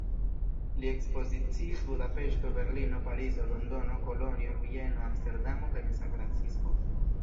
Li ekspoziciis Budapeŝto, Berlino, Parizo, Londono, Kolonjo, Vieno, Amsterdamo kaj en San Francisco.